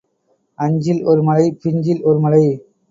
அஞ்சில் ஒரு மழை பிஞ்சில் ஒரு மழை.